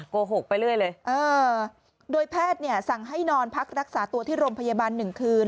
โกหกไปเรื่อยเลยเออโดยแพทย์เนี่ยสั่งให้นอนพักรักษาตัวที่โรงพยาบาล๑คืน